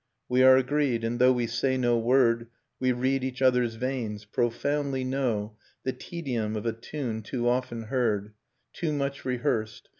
i We are agreed. And though we say no word, j We read each other's veins, profoundly know i The tedium of a tune too often heard, | To much rehearsed